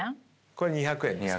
これ２００円ですね。